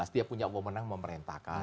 dia punya umum yang memerintahkan